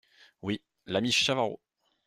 Oui… l’ami Chavarot !